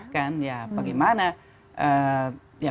tentangan ya ya bagaimana ya